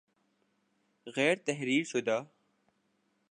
غیر تحریر شدہ